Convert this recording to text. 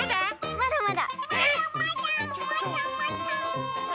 まだまだ。